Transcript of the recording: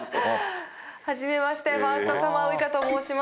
はじめましてファーストサマーウイカと申します。